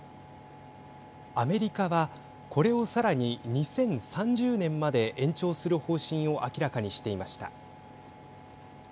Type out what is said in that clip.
アメリカは、これをさらに２０３０年まで延長する方針を明らかにしていました。